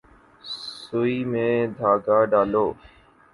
سوئی میں دھاگہ ڈالو